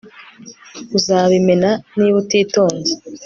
Uzabimena niba utitonze